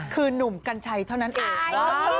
คือหนุ่มกัญชัยเท่านั้นเอง